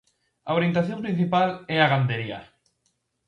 A orientación principal é a gandería.